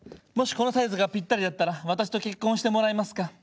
もしこのサイズがぴったりだったら私と結婚してもらえますか？」。